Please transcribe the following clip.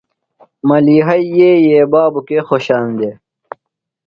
ملِیحئی یئیے بابوۡ کے خوۡشان دےۡ؟